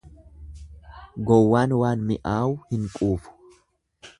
Gowwaan waan mi'aawu hin quufu.